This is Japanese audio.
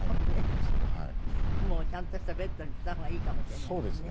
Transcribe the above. もうちゃんとしたベッドにした方がいいかもしれないしね。